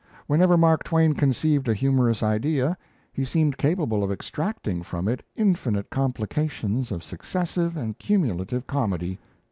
Whenever Mark Twain conceived a humorous idea, he seemed capable of extracting from it infinite complications of successive and cumulative comedy.